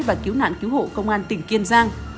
và cứu nạn cứu hộ công an tỉnh kiên giang